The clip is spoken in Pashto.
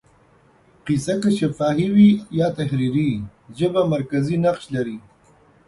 کیسه که شفاهي وي یا تحریري، ژبه مرکزي نقش لري.